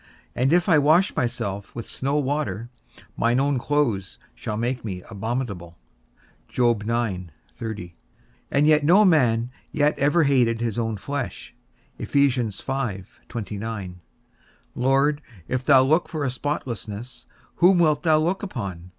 And if I wash myself with snow water, mine own clothes shall make me abominable; and yet no man yet ever hated his own flesh. Lord, if thou look for a spotlessness, whom wilt thou look upon?